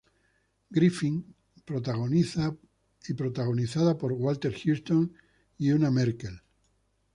Griffith y protagonizada por Walter Huston y Una Merkel.